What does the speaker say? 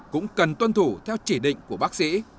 cũng cần tuân thủ theo chỉ định của bác sĩ